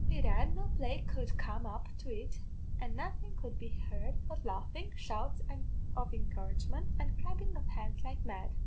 Bedad, no play could come up to it, an' nothin' could be heard but laughin', shouts of encouragement, and clappin' of hands like mad.